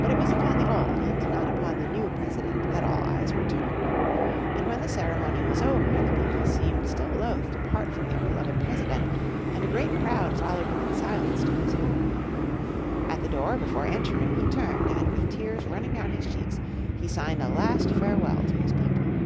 But it was upon the old and not upon the new President that all eyes were turned. And when the ceremony was over the people seemed still loath to part from their beloved President, and a great crowd followed him in silence to his home. At the door, before entering, he turned, and with tears running down his cheeks he signed a last farewell to his people.